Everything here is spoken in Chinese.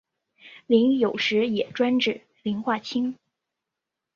膦有时也专指磷化氢。